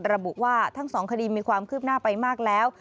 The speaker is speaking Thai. ระบุว่าทั้งสองคดีมีความคืบหน้าไปมากแล้ว